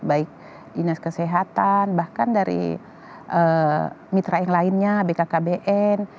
baik dinas kesehatan bahkan dari mitra yang lainnya bkkbn